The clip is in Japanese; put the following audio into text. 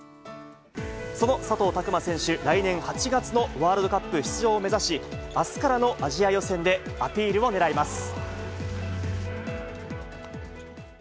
その佐藤卓磨選手、来年８月のワールドカップ出場を目指し、あすからのアジア予選で、アピールをねらいます。